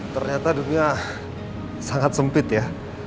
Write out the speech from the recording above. ternyata dunia sangat sempit ya